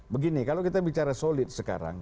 begini kalau kita bicara solid sekarang